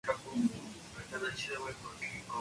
La constitución unitaria fue declarada caduca.